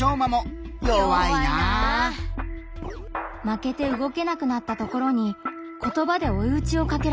負けてうごけなくなったところに言葉でおいうちをかけられます。